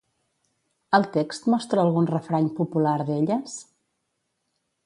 El text mostra algun refrany popular d'elles?